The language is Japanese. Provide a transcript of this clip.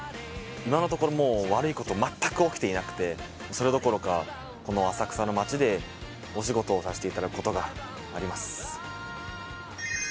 今のところもう悪いことまったく起きていなくてそれどころかこの浅草の街でお仕事をさせていただくことがあります。